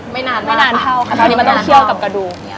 ไม่นานเท่าค่ะคราวนี้มันต้องเคี่ยวกับกระดูก